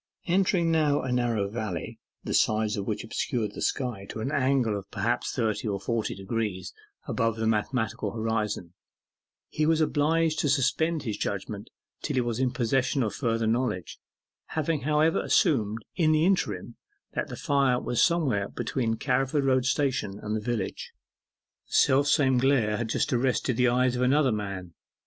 Entering now a narrow valley, the sides of which obscured the sky to an angle of perhaps thirty or forty degrees above the mathematical horizon, he was obliged to suspend his judgment till he was in possession of further knowledge, having however assumed in the interim, that the fire was somewhere between Carriford Road Station and the village. The self same glare had just arrested the eyes of another man.